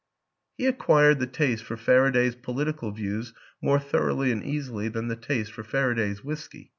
He acquired the taste for Faraday's political views more thoroughly and easily than the taste for Faraday's whisky.